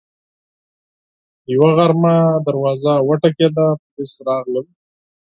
یوه غرمه دروازه وټکېده، پولیس راغلل